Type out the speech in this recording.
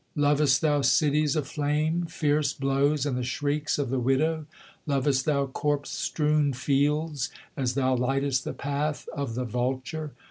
Lovest thou cities aflame, fierce blows, and the shrieks of the widow? Lovest thou corpse strewn fields, as thou lightest the path of the vulture?